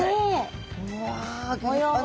うわギョ立派な。